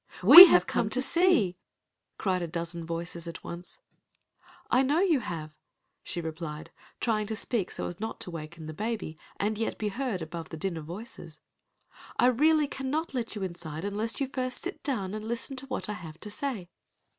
"We have come to see," cried a dozen voices at once. "I know you have," she replied, trying to speak so as not to waken the baby and yet be heard above the din of voices. "I really cannot let you inside unless you first sit down and listen to what I have to say."